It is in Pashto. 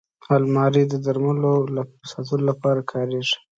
الماري د درملو ساتلو لپاره کارېږي